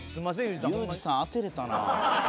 ユージさん当てれたな。